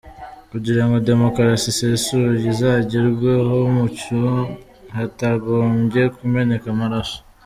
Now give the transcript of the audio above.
Kugira ngo Demokarasi isesuye izagerweho mu mucyo, hatagombye kumeneka amaraso,